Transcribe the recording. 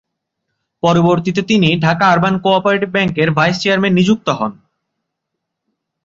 পরবর্তীতে তিনি Dhaka urban cooperative ব্যাংকের ভাইস চেয়ারম্যান নিযুক্ত হন।